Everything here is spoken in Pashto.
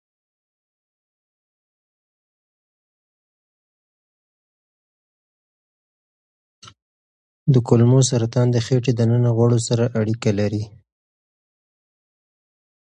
د کولمو سرطان د خېټې دننه غوړو سره اړیکه لري.